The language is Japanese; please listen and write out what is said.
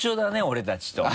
俺たちと。